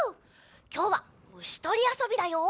きょうはむしとりあそびだよ！